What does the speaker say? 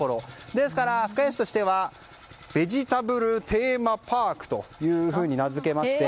ですから深谷市としてはベジタブルテーマパークと名付けまして。